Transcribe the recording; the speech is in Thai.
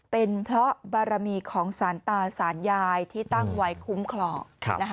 เป็นเพราะบารมีของสารตาสารยายที่ตั้งไว้คุ้มครอง